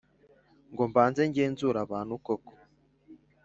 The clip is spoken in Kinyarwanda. ngo mbanze ngenzure abantu koko